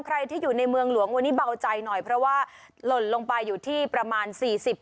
ใครที่อยู่ในเมืองหลวงวันนี้เบาใจหน่อยเพราะว่าหล่นลงไปอยู่ที่ประมาณสี่สิบ